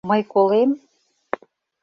Мый колем?